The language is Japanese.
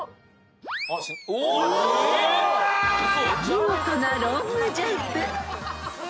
［見事なロングジャンプ］